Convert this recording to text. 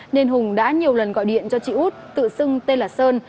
nên hùng đã nhiều lần gọi điện cho chị út tự xưng tên là sơn